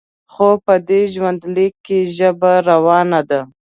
خو په دې ژوندلیک کې یې ژبه روانه ده.